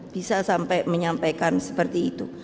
bisa sampai menyampaikan seperti itu